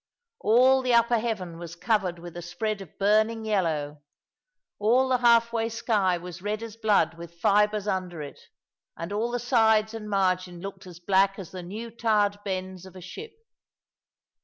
All the upper heaven was covered with a spread of burning yellow; all the half way sky was red as blood with fibres under it, and all the sides and margin looked as black as the new tarred bends of a ship.